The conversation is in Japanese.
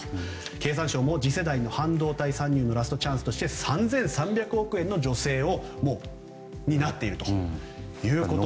経産省も次世代の半導体参入のラストチャンスとして３３００億円の助成を担っているということで。